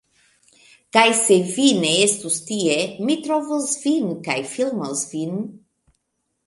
Kaj se vi ne estos tie, mi trovos vin kaj flimos vin.